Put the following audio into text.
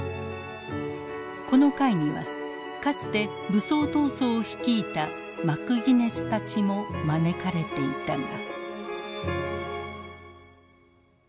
この会にはかつて武装闘争を率いたマクギネスたちも招かれていたが。